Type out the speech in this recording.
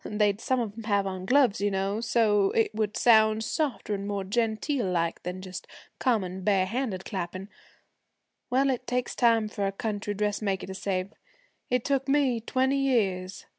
They'd some of 'em have on gloves, you know, so it would sound softer an' more genteel like than just common bare hand clapping. Well, it takes time for a country dressmaker to save. It took me twenty years.